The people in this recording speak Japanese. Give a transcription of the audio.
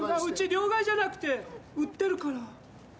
うち両替じゃなくて売ってるから。